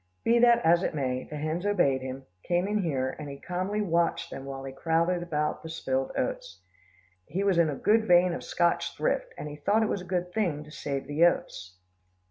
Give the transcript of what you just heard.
Be that as it may, the hens obeyed him, came in here, and he calmly watched them while they crowded about the spilled oats. He has a good vein of Scotch thrift, and he thought it was a good thing to save the oats.